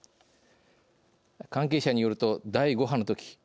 関係者によると第５波のとき